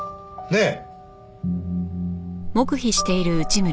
ねえ？